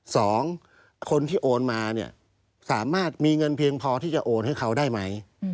สองคนที่โอนมาเนี่ยสามารถมีเงินเพียงพอที่จะโอนให้เขาได้ไหม